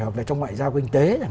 hoặc là trong ngoại giao kinh tế